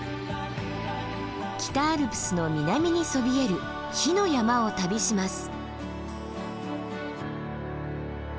北アルプスの南にそびえる火の山を旅します。